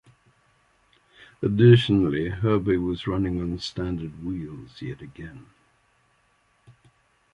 Additionally, Herbie was running on standard wheels yet again.